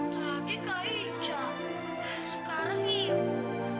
tadi kak icah sekarang ibu